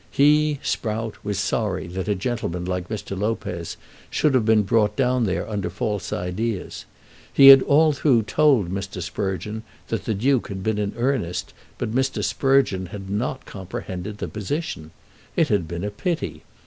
He, Sprout, was sorry that a gentleman like Mr. Lopez should have been brought down there under false ideas. He had all through told Mr. Sprugeon that the Duke had been in earnest, but Mr. Sprugeon had not comprehended the position. It had been a pity.